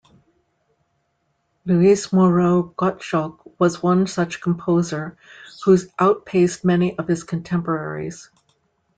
Louis Moreau Gottschalk was one such composer who outpaced many of his contemporaries.